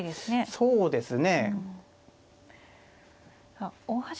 そうですね。